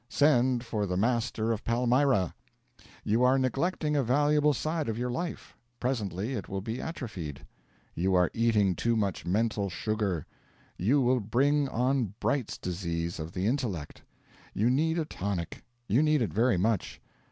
Send for 'The Master of Palmyra.' You are neglecting a valuable side of your life; presently it will be atrophied. You are eating too much mental sugar; you will bring on Bright's disease of the intellect. You need a tonic; you need it very much.